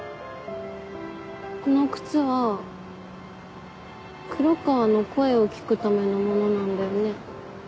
この靴は黒川の声を聞くためのものなんだよね？